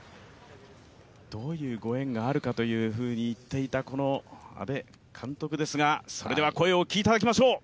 どういうご縁があるかというふうに言っていた阿部監督ですが、それでは声をお聞きいただきましょう。